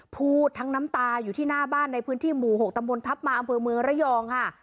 พูดทั้งน้ำตาอยู่ที่หน้าบ้านในพื้นที่หมู่๖ตำบลทัพมาอำเภอเมืองระยองค่ะ